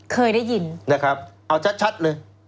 เคยได้ยินนะครับเอาชัดเลย